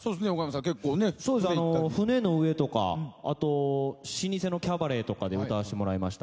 結構ね船の上とか老舗のキャバレーとかで歌わせてもらいました。